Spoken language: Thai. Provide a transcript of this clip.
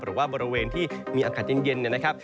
หรือว่าบริเวณที่มีอากาศเย็นนะครับ